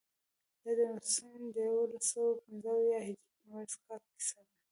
دا د یوسلو پنځه اویا هجري لمریز کال کیسه ده.